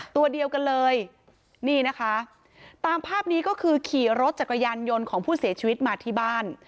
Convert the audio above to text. ตัวเดียวกันเลยนี่นะคะตามภาพนี้ก็คือขี่รถจักรยานยนต์ของผู้เสียชีวิตมาที่บ้าน